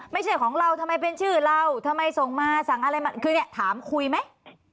ไม่ใช่ของเราทำไมเป็นชื่อเราทำไมส่งมาสั่งอะไรมาคือเนี่ยถามคุยไหม